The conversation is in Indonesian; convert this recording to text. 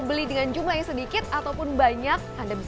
masih dari indonesia ya tadi saya dengar lagi ngobrol ngobrol